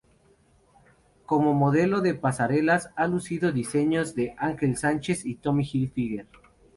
Como modelo de pasarelas ha lucido diseños de Ángel Sánchez y Tommy Hilfiger.